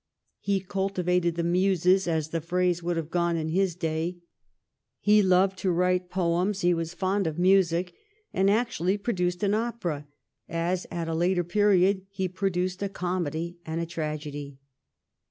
He cultivated the muses, as the phrase would have gone in his day. He loved to write poems ; he was fond of music, and actually produced an opera, as at a later period he produced a comedy and a tragedy.